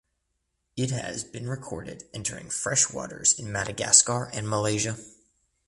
It has been recorded entering fresh waters in Madagascar and Malaysia.